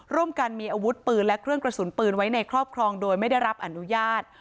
ร่วมกันมีอาวุธปืนและเครื่องกระสุนปืนไว้ในครอบครองโดยไม่ได้รับอนุญาต